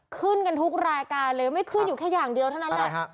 ขึ้นกันทุกรายการเลยไม่ขึ้นอยู่แค่อย่างเดียวเท่านั้นแหละ